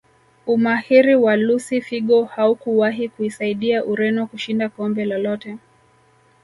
Umahiri wa Lusi figo haukuwahi kuisaidia Ureno kushinda kombe lolote